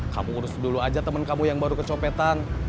kamu urus dulu aja temen kamu yang baru kecopetan